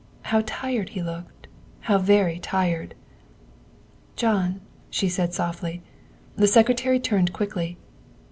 How tired he looked how very tired ! "John," she said softly. The Secretary turned quickly.